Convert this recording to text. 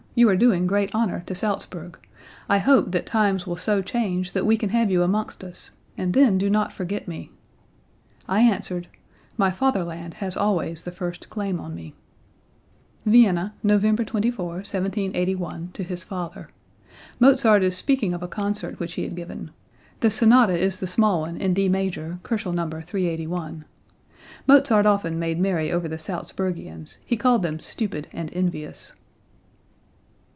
You are doing great honor to Salzburg; I hope that times will so change that we can have you amongst us, and then do not forget me.' I answered: 'My fatherland has always the first claim on me.' " (Vienna, November 24, 1781, to his father. Mozart is speaking of a concert which he had given. The sonata is the small one in D major (Kochel, No. 381). Mozart often made merry over the Salzburgians; he called them stupid and envious.)